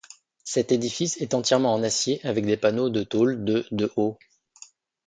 Cet édifice est entièrement en acier avec des panneaux de tôle de de haut.